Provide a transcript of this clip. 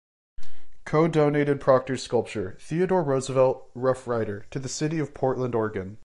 Coe donated Proctor's sculpture, "Theodore Roosevelt, Rough Rider", to the city of Portland, Oregon.